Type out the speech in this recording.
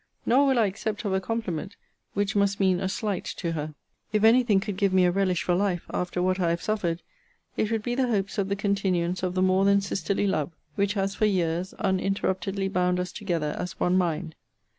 Nor will I accept of a compliment, which must mean a slight to her. If any thing could give me a relish for life, after what I have suffered, it would be the hopes of the continuance of the more than sisterly love, which has, for years, uninterruptedly bound us together as one mind.